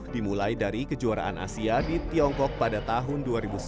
dimulai dari kejuaraan asia di tiongkok pada tahun dua ribu sepuluh